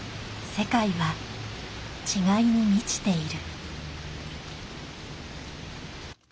世界は違いに満ちている。